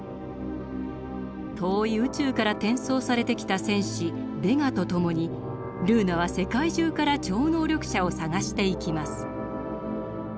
遠い宇宙から転送されてきた戦士ベガと共にルーナは世界中から超能力者を探していきます。